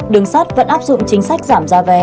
đường sắt vẫn áp dụng chính sách giảm giá vé